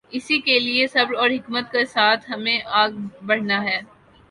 اس کے لیے صبر اور حکمت کے ساتھ ہمیں آگے بڑھنا ہے۔